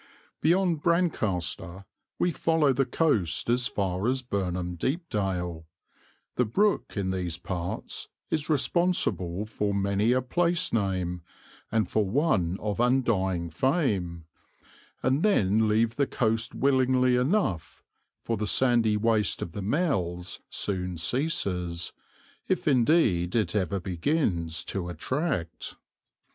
Beyond Brancaster we follow the coast as far as Burnham Deepdale the brook in these parts is responsible for many a place name and for one of undying fame and then leave the coast willingly enough, for the sandy waste of the "meols" soon ceases, if indeed it ever begins, to attract.